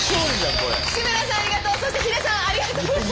そして秀さんありがとうございます。